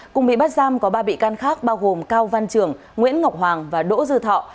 cùng bị bắt giam có ba bị can khác bao gồm cao văn trường nguyễn ngọc hoàng và đỗ dư thọ